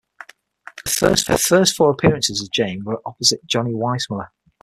Her first four appearances as Jane were opposite Johnny Weissmuller.